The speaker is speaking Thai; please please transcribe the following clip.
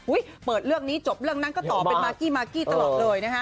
เปิดเรื่องนี้จบเรื่องนั้นก็ตอบเป็นมากกี้มากกี้ตลอดเลยนะฮะ